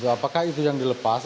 apakah itu yang dilepas